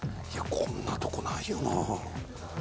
こんなとこないよなぁ。